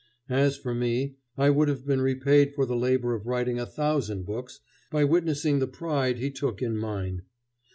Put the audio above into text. As for me, I would have been repaid for the labor of writing a thousand books by witnessing the pride he took in mine.